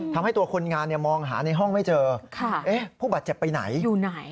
ทำให้ตัวคนงานมองหาในห้องไม่เจอผู้บาดเจ็บไปไหนอยู่ไหน